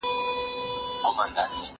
زه کولای سم وخت تېرووم؟!